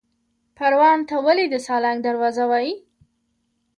پروان ته ولې د سالنګ دروازه وایي؟